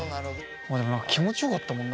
でも何か気持ちよかったもんな